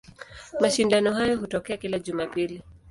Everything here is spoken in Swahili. Mashindano hayo hutokea kila Jumapili.